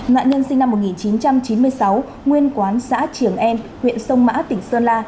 nạn nhân sinh năm một nghìn chín trăm chín mươi sáu nguyên quán xã trường an huyện sông mã tỉnh sơn la